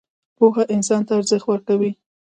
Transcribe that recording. پوهه انسان ته ارزښت ورکوي